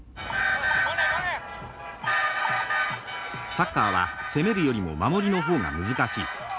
サッカーは攻めるよりも守りの方が難しい。